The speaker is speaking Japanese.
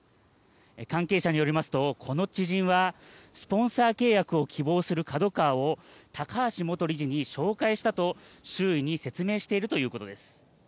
関係者によりますと、この知人はスポンサー契約を希望するＫＡＤＯＫＡＷＡを高橋元理事に紹介したと周囲に説明しているということです。